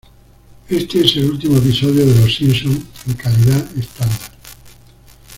Este es el último episodio de Los Simpsons en calidad estándar.